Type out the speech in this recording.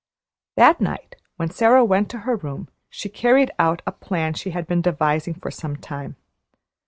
That night when Sara went to her room she carried out a plan she had been devising for some time.